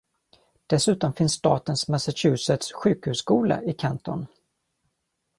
Dessutom finns statens Massachusetts sjukhusskola i Canton.